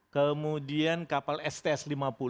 kemudian kapal sts lima puluh